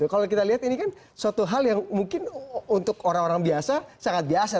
kalau kita lihat ini kan suatu hal yang mungkin untuk orang orang biasa sangat biasa